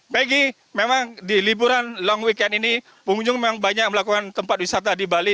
maggie memang di liburan long weekend ini pengunjung memang banyak melakukan tempat wisata di bali